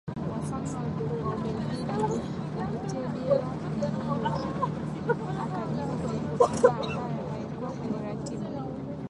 wa Mfalme wa Ubeligiji upite bila kujibiwa Akajibu kwenye Hotuba ambayo haikuwa kwenye ratiba